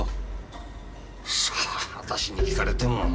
さあ私に訊かれても。